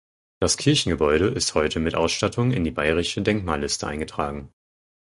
Das Kirchengebäude ist heute mit Ausstattung in die Bayerische Denkmalliste eingetragen.